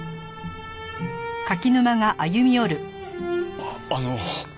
あっあの。